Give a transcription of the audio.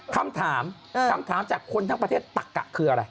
คำถามคำถามจากคนทั้งประเทศตักกะคืออะไร